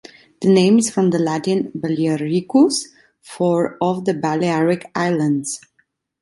The name is from the Latin "Baliaricus" for "of the Balearic Islands".